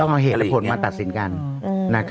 ต้องเอาเหตุผลมาตัดสินกัน